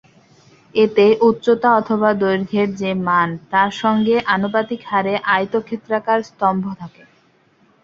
এতে উচ্চতা অথবা দৈর্ঘ্য-এর যে মান তার সঙ্গে আনুপাতিক হারে আয়তক্ষেত্রাকার স্তম্ভ থাকে।